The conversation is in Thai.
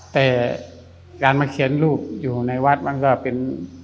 แต่การมาเขียนรูปอยู่ในวัดมันก็เป็น